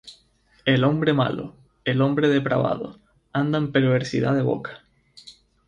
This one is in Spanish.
El hombre malo, el hombre depravado, Anda en perversidad de boca;